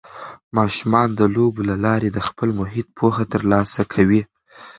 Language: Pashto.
ماشومان د لوبو له لارې د خپل محیط پوهه ترلاسه کوي.